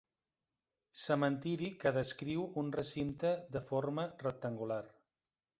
Cementiri que descriu un recinte de forma rectangular.